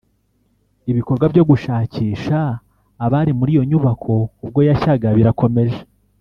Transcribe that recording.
Ibikorwa byo gushakisha abari muri iyo nyubako ubwo yashyaga birakomeje